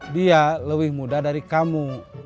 dia lebih muda dari kamu